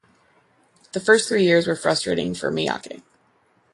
The first three years were frustrating for Miyake.